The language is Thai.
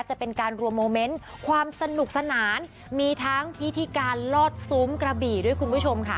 จะเป็นการรวมโมเมนต์ความสนุกสนานมีทั้งพิธีการลอดซุ้มกระบี่ด้วยคุณผู้ชมค่ะ